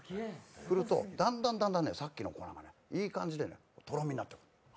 振ると、だんだんさっきの粉がいい感じでとろみになってくる。